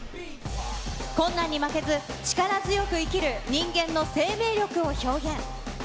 困難に負けず、力強く生きる人間の生命力を表現。